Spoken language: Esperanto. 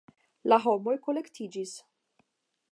La homoj kolektiĝis.